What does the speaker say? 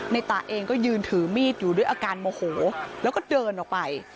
ตาเองก็ยืนถือมีดอยู่ด้วยอาการโมโหแล้วก็เดินออกไป